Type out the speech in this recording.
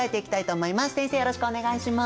よろしくお願いします。